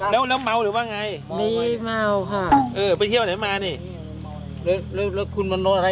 แล้วเหม้าหรือว่าไง